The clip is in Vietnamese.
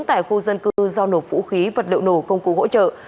tại khu dân cư do nổ vũ khí vật liệu nổ công cụ hỗ trợ